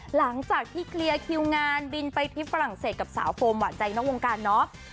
หลังจากที่เคลียร์คิวงานบินไปทริปฝรั่งเศสกับสาวโฟมหวานใจนอกวงการเนาะ